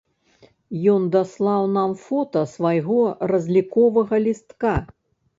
Ён даслаў нам фота свайго разліковага лістка.